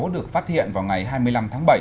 được phát hiện vào ngày hai mươi năm tháng bảy